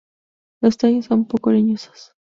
Los tallos son poco leñosos.